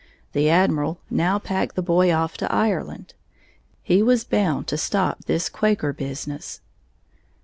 The Admiral now packed the boy off to Ireland. He was bound to stop this Quaker business.